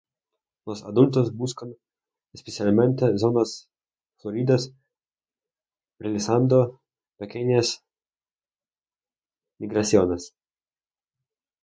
Los adultos buscan especialmente zonas floridas realizando pequeñas migraciones.